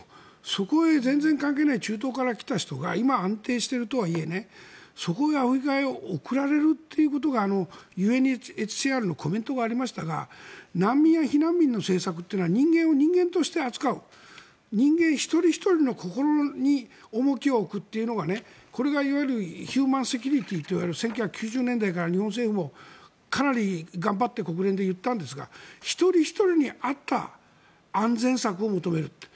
そこへ全然関係ない中東から来た人が今、安定しているとはいえそこへ、アフリカへ送られるということがＵＮＨＣＲのコメントがありましたが難民や避難民の政策というのは人間を人間として扱う人間一人ひとりの心に重きを置くというのがこれがいわゆるヒューマンセキュリティーといわれる１９９０年代から日本政府もかなり頑張って国連で言ったんですが一人ひとりに合った安全策を求めるって。